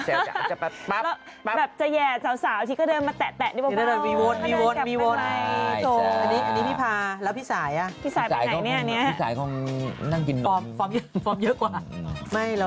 ธรรมดาที่ไหนแล้วพ่อถ่ายรูปอยู่อยู่เนี่ยหรอ